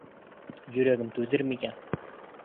Йөрәгем түҙер микән?..